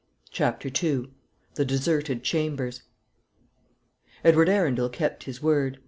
CHAPTER II. THE DESERTED CHAMBERS. Edward Arundel kept his word.